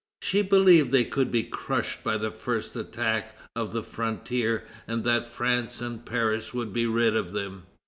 She believed they could be crushed by the first attack at the frontier, and that France and Paris would be rid of them."